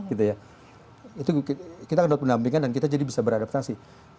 itu kita dapat mendampingkan dan kita jadi bisa beradaptasi